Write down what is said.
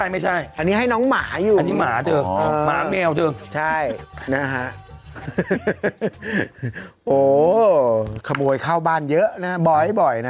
ไม่ใช่อันนี้ให้น้องหมาอยู่อันนี้หมาเธอนะคะโอ้ขมวยข้าวบ้านเยอะนะบ่อยน๊ะ